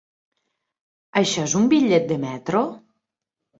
Això és un bitllet de metro?